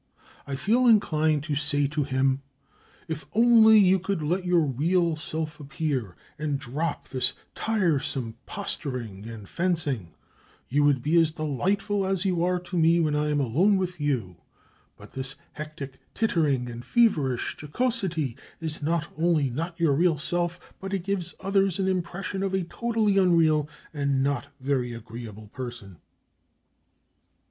I feel inclined to say to him, "If only you could let your real self appear, and drop this tiresome posturing and fencing, you would be as delightful as you are to me when I am alone with you; but this hectic tittering and feverish jocosity is not only not your real self, but it gives others an impression of a totally unreal and not very agreeable person."